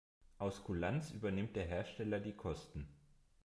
Aus Kulanz übernimmt der Hersteller die Kosten.